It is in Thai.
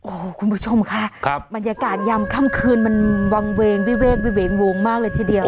โอ้โหคุณผู้ชมค่ะบรรยากาศยามค่ำคืนมันวางเวงวิเวกวิเวงวงมากเลยทีเดียว